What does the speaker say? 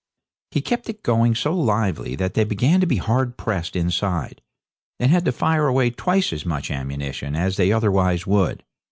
He kept it going so lively that they began to be hard pressed inside, and had to fire away twice as much ammunition as they otherwise would.